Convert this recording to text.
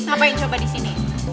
ngapain coba di sini